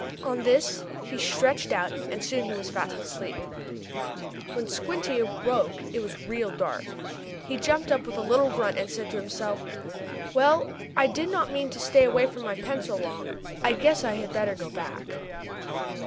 On this he stretched out, and soon he was fast asleep. When Squinty awoke it was real dark. He jumped up with a little grunt, and said to himself: "Well, I did not mean to stay away from my pen so long. I guess I had better go back."